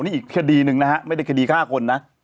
นี่อีกคดีหนึ่งนะฮะไม่ได้คดีฆ่าคนนะ